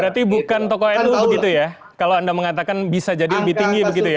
berarti bukan tokoh nu begitu ya kalau anda mengatakan bisa jadi lebih tinggi begitu ya